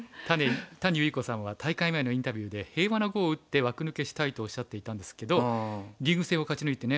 谷結衣子さんは大会前のインタビューで「平和な碁を打って枠抜けしたい」とおっしゃっていたんですけどリーグ戦を勝ち抜いてね